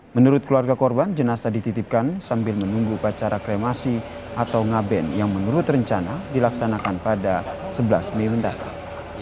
menurut keluarga korban jenasa dititipkan sambil menunggu upacara kremasi atau ngaben yang menurut rencana dilaksanakan pada sebelas mei mendatang